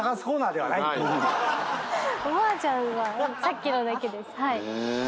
おばあちゃんはさっきのだけです。